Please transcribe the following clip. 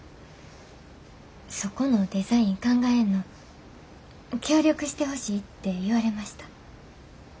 そこのデザイン考えんの協力してほしいって言われました。